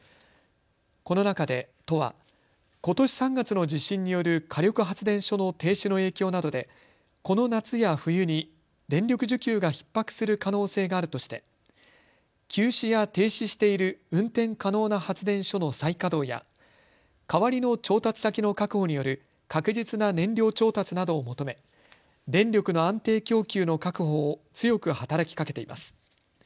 この中で都はことし３月の地震による火力発電所の停止の影響などでこの夏や冬に電力需給がひっ迫する可能性があるとして休止や停止している運転可能な発電所の再稼働や代わりの調達先の確保による確実な燃料調達などを求め電力の安定供給の確保を強く働きかけています。